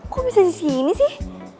kok bisa disini sih